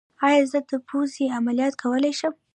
ایا زه د پوزې عملیات کولی شم؟